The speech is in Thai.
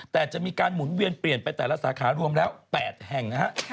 แต่จะมีการหมุนเวียนเปลี่ยนไปแต่ละสาขารวมแล้ว๘แห่งนะฮะ